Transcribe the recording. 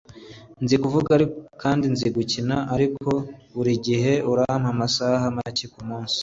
nzi kuvuga kandi nzi gukina, ariko burigihe urampa amasaha make kumunsi